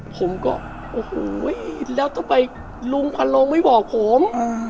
ผมก็โอ้โหแล้วทำไมลุงพันลงไม่บอกผม